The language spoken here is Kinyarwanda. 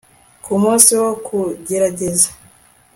Ku munsi wo kugerageza